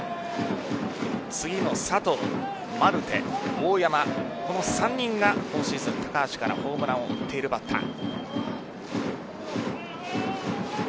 次の佐藤、マルテ、大山この３人が今シーズン高橋からホームランを打っているバッター。